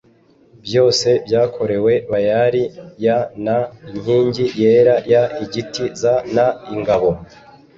byose byakorewe bayali y n inkingi yera y igiti z n ingabo